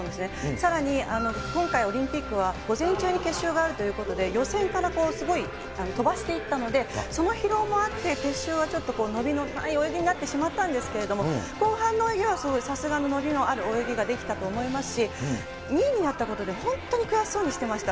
さらに今回、オリンピックは午前中に決勝があるということで、予選からすごい飛ばしていったので、その疲労もあって、決勝はちょっと伸びのない泳ぎになってしまったんですけれども、後半の泳ぎはさすがの伸びのある泳ぎができたと思いますし、２位になったことで本当に悔しそうにしてました。